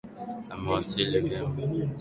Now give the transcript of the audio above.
Amewasili vyema.